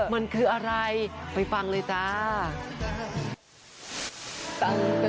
มันคืออะไรไปฟังเลยจ้า